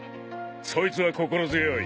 そいつは心強い。